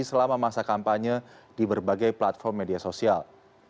selama masa kampanye di berbagai platform media sosial